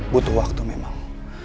butuh waktu memang